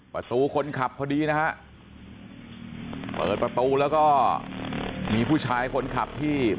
ประตูคนขับพอดีนะฮะเปิดประตูแล้วก็มีผู้ชายคนขับที่